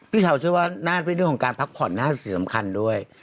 พี่จะเชื่อว่านอกไปเรื่องของการพักผ่อนน่าสิทธิสำคัญด้วย